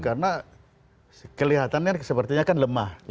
karena kelihatannya sepertinya kan lemah